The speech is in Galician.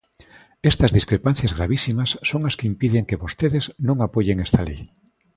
Estas discrepancias gravísimas son as que impiden que vostedes non apoien esta lei.